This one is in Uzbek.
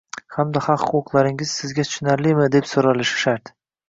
hamda «haq-huquqlaringiz sizga tushunarlimi?» deb so‘ralishi shart.